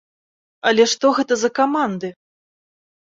Але што гэта за каманды?